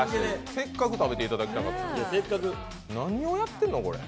せっかく食べていただきたかったのに、何をやってるの。